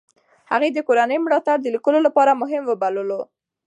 هغې د کورنۍ ملاتړ د لیکلو لپاره مهم وبللو.